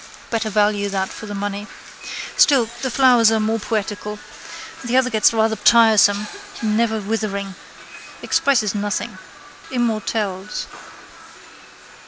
Better value that for the money. Still, the flowers are more poetical. The other gets rather tiresome, never withering. Expresses nothing. Immortelles.